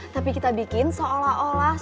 tapi kita bikin seolah olah